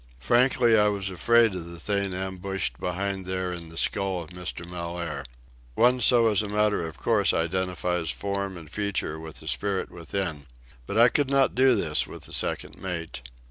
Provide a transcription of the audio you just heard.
Frankly I was afraid of the thing ambushed behind there in the skull of Mr. Mellaire. One so as a matter of course identifies form and feature with the spirit within. But I could not do this with the second mate.